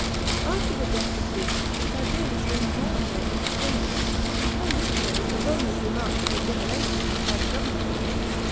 § 14. After the death of Drusus, Tiberius leaned more and more on Sejanus, and from this period the Eomans remarked a de generation in the home government.